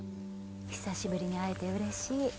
久しぶりに会えてうれしい。